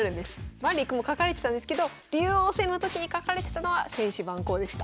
「万里一空」も書かれてたんですけど竜王戦の時に書かれてたのは「千思万考」でした。